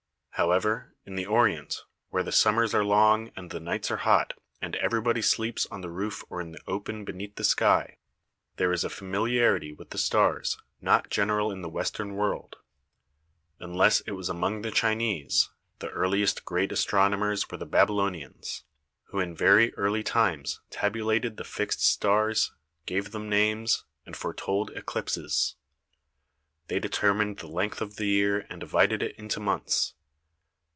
However, in the Orient, where the summers are long and the nights are hot and everybody sleeps on the roof or in the open beneath the sky, there is a familiarity with the stars not general in the Western world. Unless it was among the Chinese, the earliest great astronomers were the Babylo 28 THE SEVEN WONDERS nians, who in very early times tabulated the fixed stars, gave them names, and foretold eclipses. They determined the length of the year and divided it into months.